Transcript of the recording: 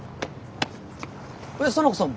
えっ沙名子さん